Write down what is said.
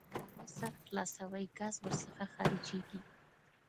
د هغه سر خلاصوئ ګاز ور څخه خارجیږي.